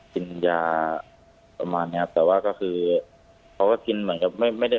กินยาประมาณเนี้ยแต่ว่าก็คือเขาก็กินเหมือนกับไม่ไม่ได้